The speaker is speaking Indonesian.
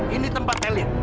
ini tempat telit